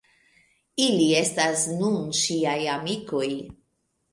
Ili estas nun ŝiaj amikoj.